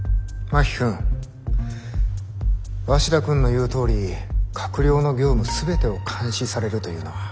真木君鷲田君の言うとおり閣僚の業務全てを監視されるというのは。